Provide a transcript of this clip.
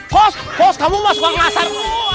kos kos kamu masuk wang asar